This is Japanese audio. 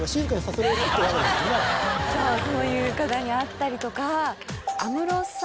そうそういう方に会ったりとか。